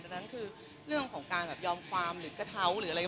ดังนั้นคือเรื่องของการแบบยอมความหรือกระเช้าหรืออะไร